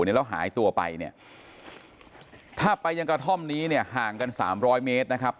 แล้วหายตัวไปเนี่ยถ้าไปยังกระท่อมนี้เนี่ยห่างกันสามร้อยเมตรนะครับ